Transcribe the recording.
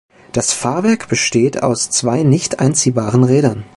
Das Fahrwerk besteht aus zwei nicht einziehbaren Rädern.